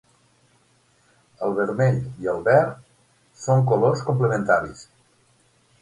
El vermell i el verd són colors complementaris.